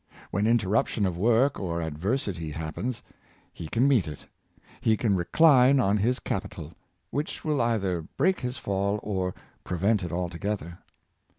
When interruption of work or adversity happens, he can meet it; he can recline on his capital, which will either break his fall or prevent it altogether.